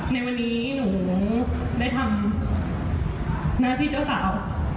ในวันนี้หนูได้ทำหน้าที่เจ้าสาว